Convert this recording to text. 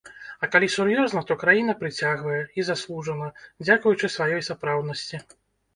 А калі сур'ёзна, то краіна прыцягвае, і заслужана, дзякуючы сваёй сапраўднасці.